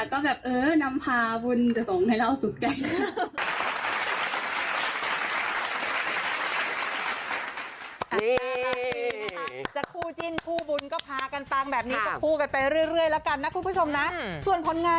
ก็แบบเออนำพาบุญจะส่งให้เราสุขใจนะ